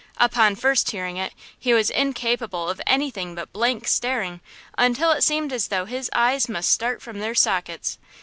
Upon first hearing it, he was incapable of anything but blank staring, until it seemed as though his eyes must start from their sockets!